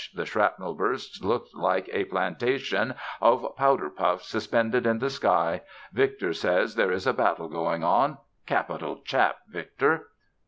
The shrapnel bursts look like a plantation of powder puffs suspended in the sky. Victor says there is a battle going on: capital chap Victor.